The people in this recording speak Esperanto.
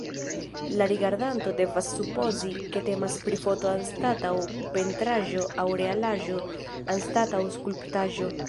La rigardanto devas supozi, ke temas pri foto anstataŭ pentraĵo aŭ realaĵo anstataŭ skulptaĵo.